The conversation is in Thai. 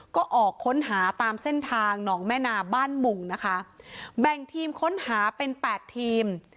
ก็ออกค้นหาตามเส้นทางหนองแม่นาบ้านหมุ่งนะคะแบ่งทีมค้นหาเป็นแปดทีม